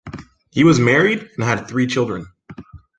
He was married and had three children.